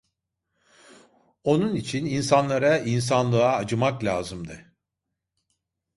Onun için insanlara, insanlığa acımak lazımdı.